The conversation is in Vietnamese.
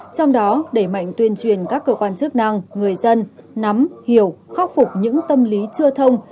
trong đó đẩy mạnh tuyên truyền các cơ quan chức năng người dân nắm hiểu khắc phục những tâm lý chưa thông